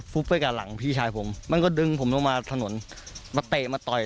ไปกับหลังพี่ชายผมมันก็ดึงผมลงมาถนนมาเตะมาต่อย